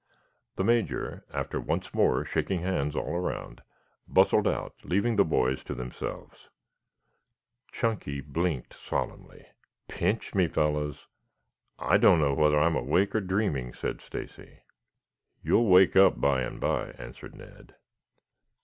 The Major, after once more shaking hands all around, bustled out, leaving the boys to themselves. Chunky blinked solemnly. "Pinch me, fellows. I don't know whether I am awake or dreaming," said Stacy. "You will wake up by and by," answered Ned.